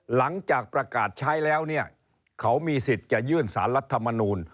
หลังจากประกาศใช้แล้วเนี่ยเขามีสิทธิ์จะยื่นสารรัฐมนูล